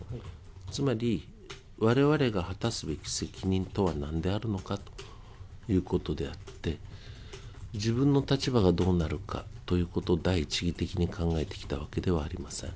つまり、われわれが果たすべき責任とは何であるのかということであって、自分の立場がどうなるかということを第一義的に考えてきたわけではありません。